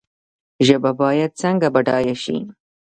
ژبه باید څنګه بډایه شي؟